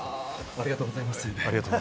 ありがとうございます。